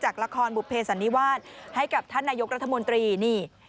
ละครบุภเสันนิวาสให้กับท่านนายกรัฐมนตรีนี่